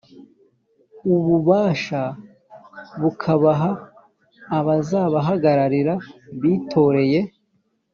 ububasha bakabuha abazabahagararira bitoreye.